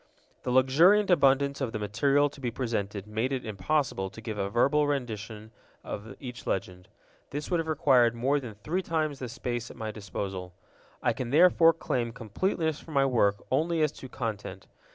The luxuriant abundance of the material to be presented made it impossible to give a verbal rendition of each legend. This would have required more than three times the space at my disposal. I can therefore claim completeness for my work only as to content.